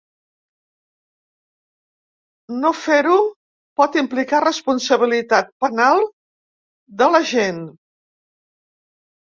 No fer-ho pot implicar responsabilitat penal de l’agent.